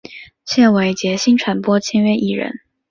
现为杰星传播签约艺人。